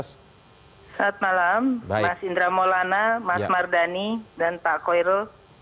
selamat malam mas indra maulana mas mardani dan pak koirul